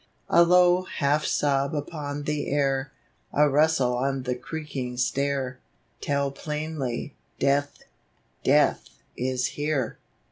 A low half sob upon the air, A rustle on the creaking stair, Tell plainly, " Death is here!"